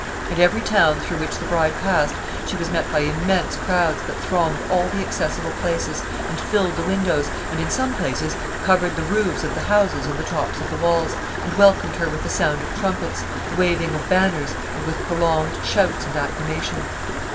At every town through which the bride passed she was met by immense crowds that thronged all the accessible places, and filled the windows, and in some places covered the roofs of the houses and the tops of the walls, and welcomed her with the sound of trumpets, the waving of banners, and with prolonged shouts and acclamations.